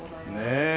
ねえ。